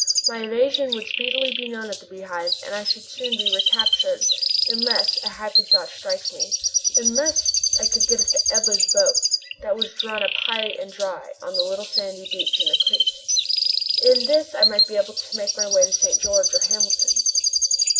My evasion would speedily be known at the Beehive, and I should soon be recaptured, unless a happy thought strikes me unless I could get at the Ebba's boat that was drawn up high and dry on the little sandy beach in the creek. In this I might be able to make my way to St. George or Hamilton.